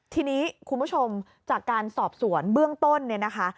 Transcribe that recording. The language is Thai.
ทีนี้คุณผู้ชมจากการสอบสวนเบื้องต้นเนี่ยนะคะ